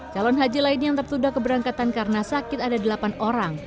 calon haji lain yang tertunda keberangkatan karena sakit ada delapan orang